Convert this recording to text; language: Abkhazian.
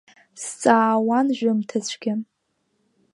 Сҵаауан жәымҭацәгьа…